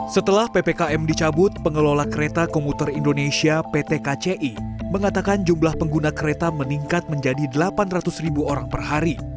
setelah ppkm dicabut pengelola kereta komuter indonesia pt kci mengatakan jumlah pengguna kereta meningkat menjadi delapan ratus ribu orang per hari